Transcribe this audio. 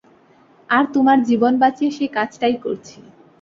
আর তোমার জীবন বাঁচিয়ে সেই কাজটাই করছি।